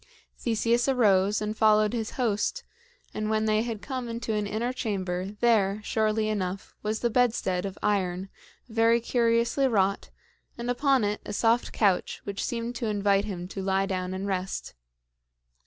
Theseus arose and followed his host; and when they had come into an inner chamber, there, surely enough, was the bedstead, of iron, very curiously wrought, and upon it a soft couch which seemed to invite him to lie down and rest.